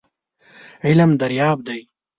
علم دریاب دی .